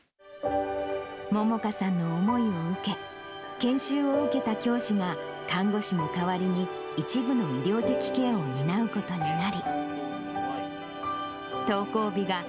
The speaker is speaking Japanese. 萌々華さんの思いを受け、研修を受けた教師が、看護師の代わりに一部の医療的ケアを担うことになり。